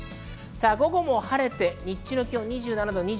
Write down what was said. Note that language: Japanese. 午後も晴れて日中の気温は２７８度。